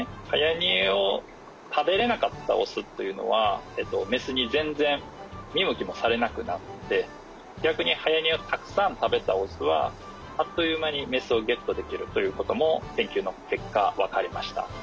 はやにえを食べれなかったオスというのはメスにぜんぜんみむきもされなくなってぎゃくにはやにえをたくさん食べたオスはあっというまにメスをゲットできるということも研究のけっかわかりました。